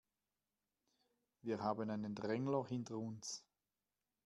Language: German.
Wir haben einen Drängler hinter uns.